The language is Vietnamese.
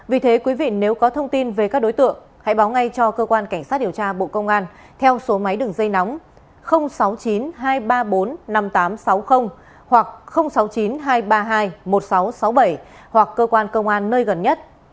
vì thế quý vị nếu có thông tin về các đối tượng hãy báo ngay cho cơ quan cảnh sát điều tra bộ công an theo số máy đường dây nóng sáu mươi chín hai trăm ba mươi bốn năm nghìn tám trăm sáu mươi hoặc sáu mươi chín hai trăm ba mươi hai một nghìn sáu trăm sáu mươi bảy hoặc cơ quan công an nơi gần nhất